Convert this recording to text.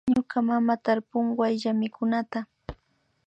Muña mama tarpun wayllamikunata